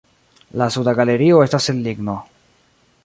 La suda galerio estas el ligno.